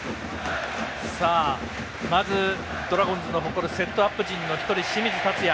まずドラゴンズの誇るセットアップ人の一人、清水達也